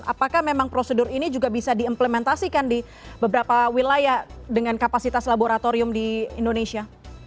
apakah memang prosedur ini juga bisa diimplementasikan di beberapa wilayah dengan kapasitas laboratorium di indonesia